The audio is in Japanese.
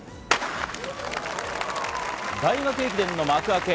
大学駅伝の幕開け